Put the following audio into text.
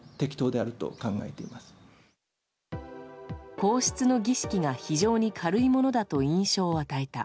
皇室の儀式が非常に軽いものだと印象を与えた。